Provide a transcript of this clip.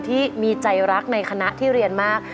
ที่มีใจรักในคณะที่เรียนมาก